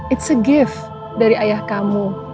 it's a gift dari ayah kamu